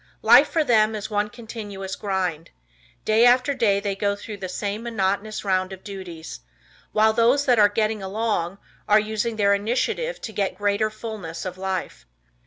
Life for them is one continuous grind. Day after day they go through the same monotonous round of duties, while those that are "getting along" are using their initiative to get greater fullness of life.